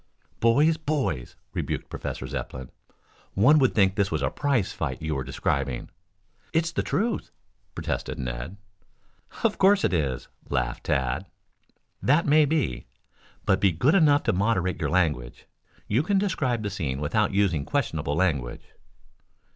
"Boys, boys!" rebuked Professor Zepplin. "One would think this was a prize fight you were describing." "It's the truth," protested Ned. "Of course it is," laughed Tad. "That may be. But be good enough to moderate your language. You can describe the scene without using questionable language."